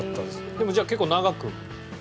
でもじゃあ結構長くやられて。